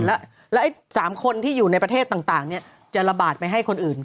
แล้ว๓คนที่อยู่ในประเทศต่างจะระบาดไปให้คนอื่น